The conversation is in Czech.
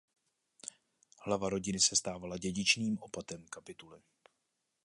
Hlava rodiny se stávala dědičným opatem kapituly.